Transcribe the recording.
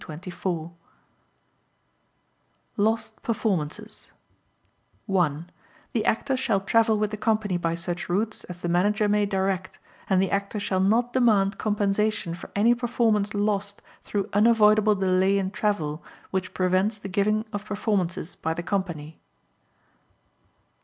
Lost Performances (I) The Actor shall travel with the company by such routes as the Manager may direct, and the Actor shall not demand compensation for any performance lost through unavoidable delay in travel which prevents the giving of performances by the company.